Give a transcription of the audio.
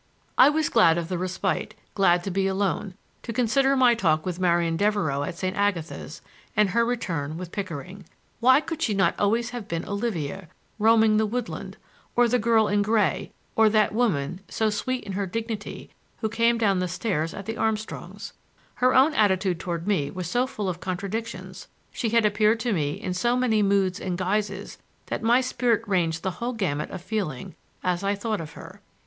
I was glad of the respite, glad to be alone,—to consider my talk with Marian Devereux at St. Agatha's, and her return with Pickering. Why could she not always have been Olivia, roaming the woodland, or the girl in gray, or that woman, so sweet in her dignity, who came down the stairs at the Armstrongs'? Her own attitude toward me was so full of contradictions; she had appeared to me in so many moods and guises, that my spirit ranged the whole gamut of feeling as I thought of her.